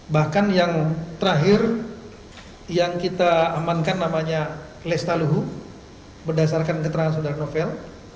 bahkan yang terakhir yang kita amankan namanya lestaluhu berdasarkan keterangan saudara novel